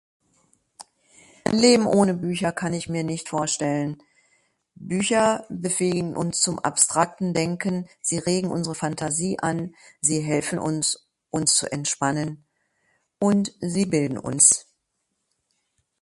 Leben ohne Bücher kann ich mir nicht vorstellen. Bücher befähigen uns zum abstrakten Denken, Sie regen unsre Fantasie an, Sie helfen uns, uns zu entspannen und Sie bilden uns.